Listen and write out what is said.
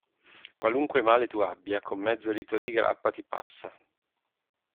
Qualunque male tu abbia, con mezzo litro di grappa, ti passa.